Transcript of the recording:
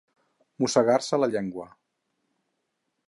Mossegar-se la llengua.